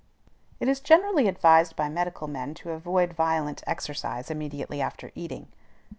It is generally advised by medical men to avoid violent exercise immediately after eating.